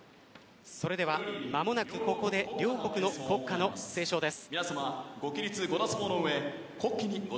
それでは間もなくここで、両国の国歌の斉唱です。